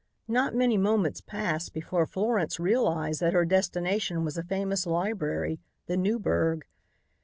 Not many moments passed before Florence realized that her destination was a famous library, the Newburg.